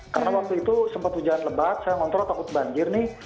karena waktu itu sempat hujan lebat saya ngontrol takut banjir nih